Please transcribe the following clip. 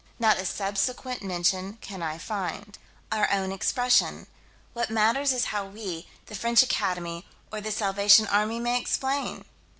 Not a subsequent mention can I find. Our own expression: What matters it how we, the French Academy, or the Salvation Army may explain?